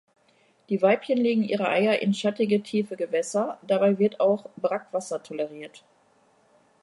Die Weibchen legen ihre Eier in schattige, tiefe Gewässer, dabei wird auch Brackwasser toleriert.